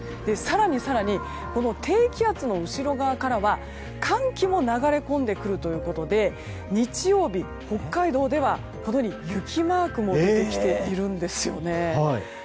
更に、低気圧の後ろ側からは寒気も流れ込んでくるということで日曜日、北海道では雪マークも出てきているんです。